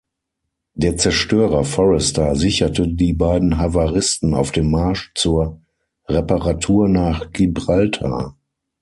Der Zerstörer "Forester" sicherte die beiden Havaristen auf dem Marsch zur Reparatur nach Gibraltar.